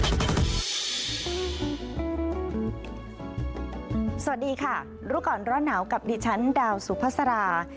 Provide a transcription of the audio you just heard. สวัสดีค่ะรู้ก่อนร้อนหนาวกับดิฉันดาวสุภาษารา